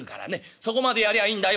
そこまでやりゃあいいんだよ」。